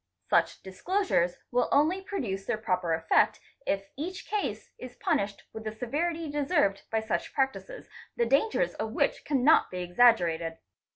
Such dis closures will only produce their proper effect if each case is punished with the severity deserved by such practices, the dangers of which cannot be exaggerated.